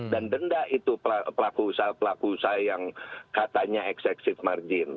dan denda itu pelaku usaha pelaku usaha yang katanya executive margin